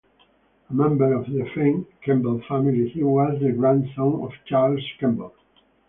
A member of the famed Kemble family, he was the grandson of Charles Kemble.